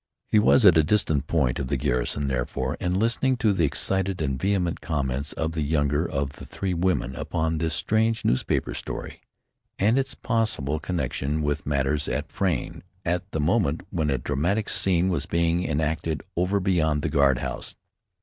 He was at a distant point of the garrison, therefore, and listening to the excited and vehement comments of the younger of the three women upon this strange newspaper story, and its possible connection with matters at Frayne, at the moment when a dramatic scene was being enacted over beyond the guard house.